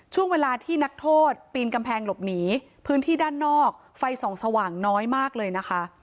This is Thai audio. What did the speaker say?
ช่วงเวลาที่นักโทษปีนกำแพงหลบหนีพื้นที่ด้านนอกไฟส่องสว่างน้อยมากเลยนะคะ